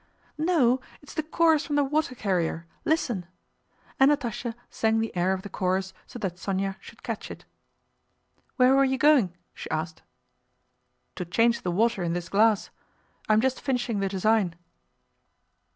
"No, it's the chorus from The Water Carrier, listen!" and Natásha sang the air of the chorus so that Sónya should catch it. "Where were you going?" she asked. "To change the water in this glass. I am just finishing the design."